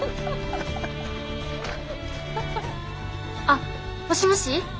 あっもしもし！